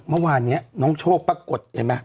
เมื่อวานนี้น้องโชคปรากฏเห็นไหม